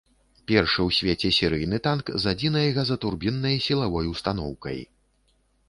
Першы ў свеце серыйны танк з адзінай газатурбіннай сілавой устаноўкай.